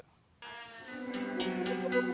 kecamatan waringkut banten bangun desa